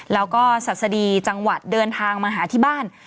แล้วก็ศัษฎีจังหวัดเดินทางมาหาที่บ้าน